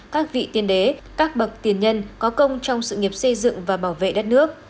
các vị tiền đế các bậc tiền nhân có công trong sự nghiệp xây dựng và bảo vệ đất nước